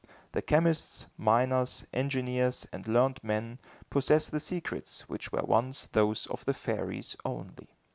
The chemists, miners, engineers and learned men possess the secrets which were once those of the fairies only.